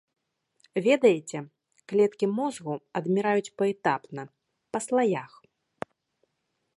Ведаеце, клеткі мозгу адміраюць паэтапна, па слаях.